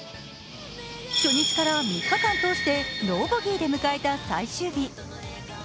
初日から３日間通してノーボギーで迎えた最終日。